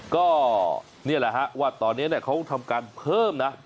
ก็เนี่ยแหละครับว่าตอนนี้เนี่ยเขาต้องทำการเพิ่มนะ